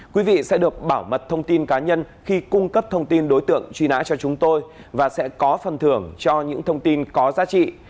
quý vị sẽ được bảo mật thông tin cá nhân khi cung cấp thông tin đối tượng truy nã cho chúng tôi và sẽ có phần thưởng cho những thông tin có giá trị